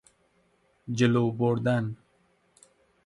جلو بردن